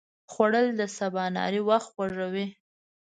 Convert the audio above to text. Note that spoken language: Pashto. خوړل د سباناري وخت خوږوي